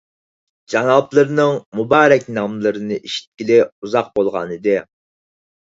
جانابلىرىنىڭ مۇبارەك ناملىرىنى ئىشىتكىلى ئۇزاق بولغانىدى.